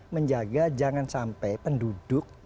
menjaga jangan sampai penduduk